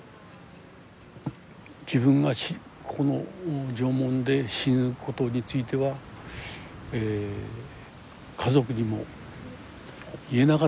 自分がこの常紋で死ぬことについては家族にも言えなかったわけですね。